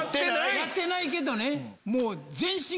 やってないけどね。